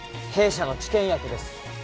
弊社の治験薬です。